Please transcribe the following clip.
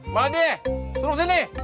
balade suruh sini